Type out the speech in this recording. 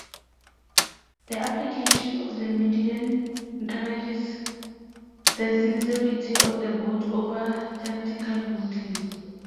The application of the median encourages the sincerity of the vote over tactical voting.